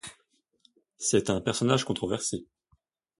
C’est un personnage controversé.